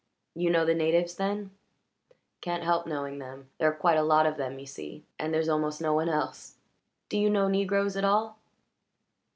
"You know the natives, then?" "Can't help knowing them. There are quite a lot of them, you see, and there's almost no one else. Do you know negroes at all?"